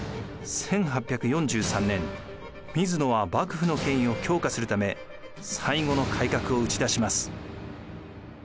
１８４３年水野は幕府の権威を強化するため最後の改革を打ち出します。